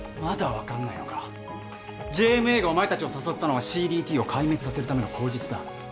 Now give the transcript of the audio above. まだわかんないのかＪＭＡがお前たちを誘ったのはＣＤＴを壊滅させるための口実だ。